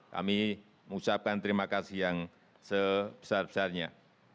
kami mengucapkan terima kasih yang sebesar besarnya